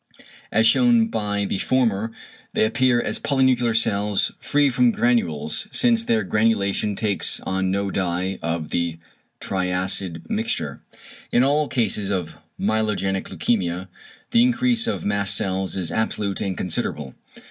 As shewn by the former they appear as polynuclear cells free from granules, since their granulation takes on no dye of the triacid mixture. In all cases of myelogenic leukæmia the increase of mast cells is absolute and considerable.